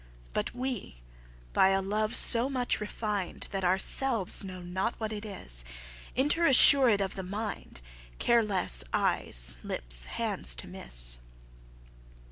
But we by a love, so much refin'd, That our selves know not what it is, Inter assured of the mind, Care lesse, eyes, lips, and hands to misse.